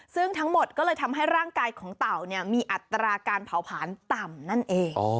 ซึ่งทั้งหมดก็เลยทำให้ร่างกายของเต่ามีอัตราการเผาผลาญต่ำนั่นเอง